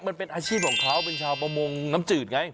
มันเป็นอาชีพของเขาเป็นชาวประมงน้ำจืดไง